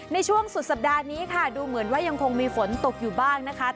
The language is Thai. ในช่วงสุดสัปดาห์นี้ค่ะดูเหมือนว่ายังคงมีฝนตกอยู่บ้างนะคะ